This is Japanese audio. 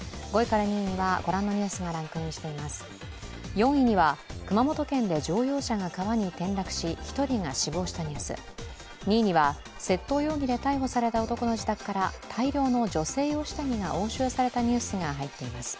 ４位には、熊本県で乗用車が川に転落し１人が死亡したニュース、２位には、窃盗容疑で逮捕された男の自宅から大量の女性用下着が押収されたニュースが入っています。